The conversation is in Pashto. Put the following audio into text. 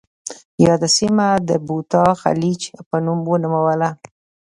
یاده سیمه د بوتا خلیج په نوم ونوموله.